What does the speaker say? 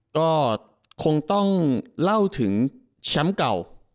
ก็คงต้องเล่าถึงแชมป์เก่า